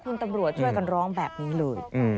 คุณตำรวจช่วยกันร้องแบบนี้เลย